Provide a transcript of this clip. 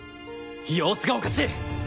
様子がおかしい！